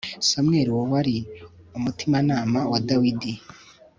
samweli uwo wari umutimanama wa dawidi